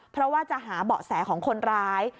เพราะว่าจะหาเบาะแสของคนร้าย